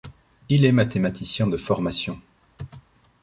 Il est mathématicien de formation.